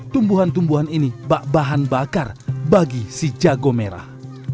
tumbuhan tumbuhan ini bak bahan bakar bagi si jago merah